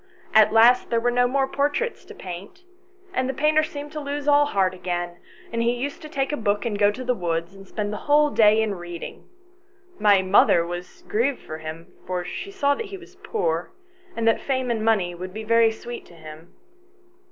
At last there were no more portraits to paint, and the painter seemed to lose all heart again, and he used to take a book and go to the woods and spend the whole day in reading. My mother was grieved for him, for she saw that he was poor, and that fame and money would be very sweet to him.